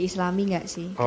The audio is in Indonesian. islami gak sih